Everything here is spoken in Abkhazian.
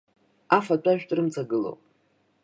Афатәажәтә рымҵагылоуп.